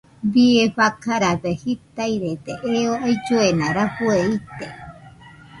Bie fakarabe jitairede eo ailluena rafue ite.